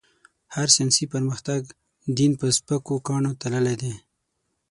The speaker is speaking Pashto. هر ساينسي پرمختګ؛ دين په سپکو کاڼو تللی دی.